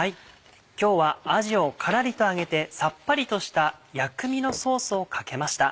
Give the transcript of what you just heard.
今日はあじをカラリと揚げてサッパリとした薬味のソースをかけました。